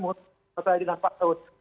kalau saya di dalam paket